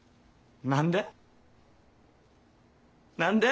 何で？